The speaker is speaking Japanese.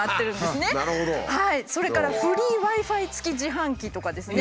それからフリーＷｉ−Ｆｉ付き自販機とかですね